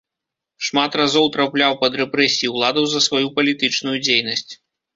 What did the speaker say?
Шмат разоў трапляў пад рэпрэсіі ўладаў за сваю палітычную дзейнасць.